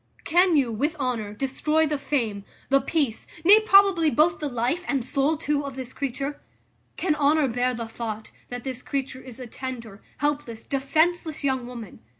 Can you, with honour, destroy the fame, the peace, nay, probably, both the life and soul too, of this creature? Can honour bear the thought, that this creature is a tender, helpless, defenceless, young woman?